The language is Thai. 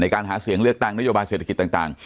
การหาเสียงเลือกตั้งนโยบายเศรษฐกิจต่าง